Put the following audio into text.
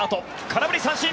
空振り三振！